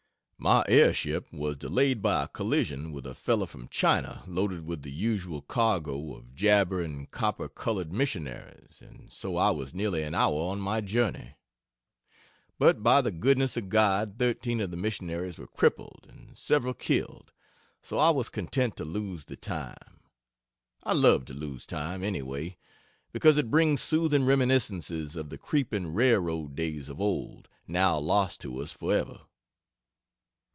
My air ship was delayed by a collision with a fellow from China loaded with the usual cargo of jabbering, copper colored missionaries, and so I was nearly an hour on my journey. But by the goodness of God thirteen of the missionaries were crippled and several killed, so I was content to lose the time. I love to lose time, anyway, because it brings soothing reminiscences of the creeping railroad days of old, now lost to us forever.